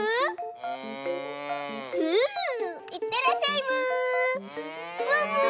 いってらっしゃいブー。